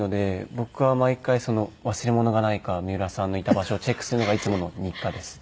僕は毎回忘れ物がないか三浦さんのいた場所をチェックするのがいつもの日課ですね。